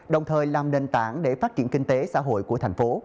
đồng thời làm nền tảng để phát triển kinh tế xã hội của thành phố